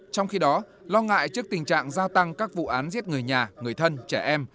trong khi đó lo ngại trước tình trạng gia tăng các vụ án giết người nhà người thân trẻ em